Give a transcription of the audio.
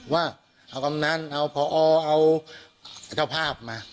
ว่าเอากำนันเอาพอเอาเจ้าภาพมา